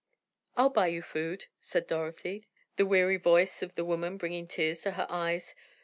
"I'll buy you food," said Dorothy, the weary voice of the woman bringing tears to her eyes.